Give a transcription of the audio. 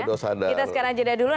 kita sekarang jeda dulu